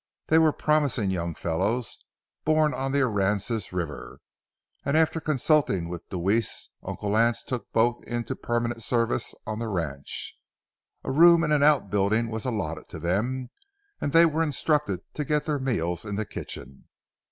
They were promising young fellows, born on the Aransas River, and after consulting with Deweese Uncle Lance took both into permanent service on the ranch. A room in an outbuilding was allotted them, and they were instructed to get their meals in the kitchen.